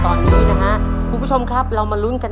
ตัวเลือดที่๓ม้าลายกับนกแก้วมาคอ